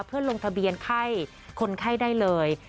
เพื่อลงทะเบียนไข้คนไข้ได้เลย